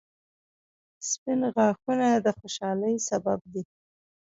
• سپین غاښونه د خوشحالۍ سبب دي